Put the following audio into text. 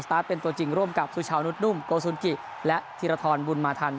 ตาร์ทเป็นตัวจริงร่วมกับสุชาวนุษนุ่มโกสุนกิและธีรทรบุญมาทัน